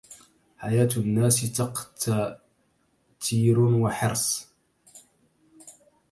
حياة الناس تقتير وحرص